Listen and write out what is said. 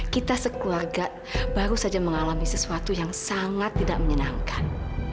kita sekeluarga baru saja mengalami sesuatu yang sangat tidak menyenangkan